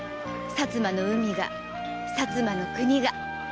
薩摩の海が薩摩の国が。